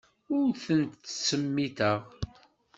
Ur tent-ttsemmiteɣ.